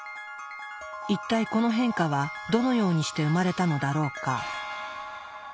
一体この変化はどのようにして生まれたのだろうか。